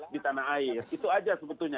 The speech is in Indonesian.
di tanah air itu aja sebetulnya